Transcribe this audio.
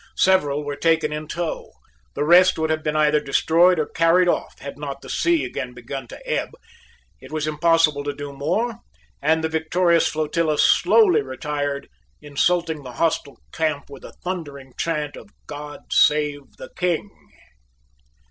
Several were taken in tow. The rest would have been either destroyed or carried off, had not the sea again begun to ebb. It was impossible to do more, and the victorious flotilla slowly retired, insulting the hostile camp with a thundering chant of "God save the King."